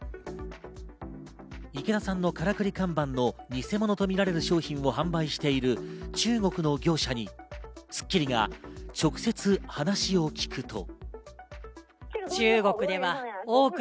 池田さんのからくり看板のニセモノとみられる商品を販売している中国の業者に『スッキリ』が直接、話を聞くと。